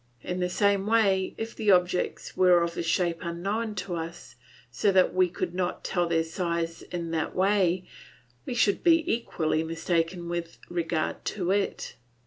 In the same way, if the objects were of a shape unknown to us, so that we could not tell their size in that way, we should be equally mistaken with regard to it.